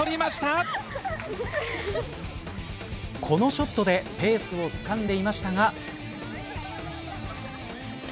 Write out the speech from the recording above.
このショットでペースをつかんでいましたが。